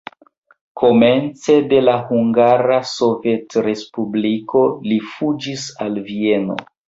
Komence de la Hungara Sovetrespubliko li fuĝis al Vieno.